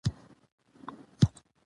کله چې په کلي ولس د ایږې سیوری غورځي.